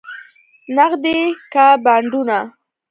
نغدې که بانډونه؟